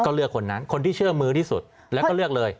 ก็เลือกคนนั้นคนที่เชื่อมือที่สุดแล้วก็เลือกเลย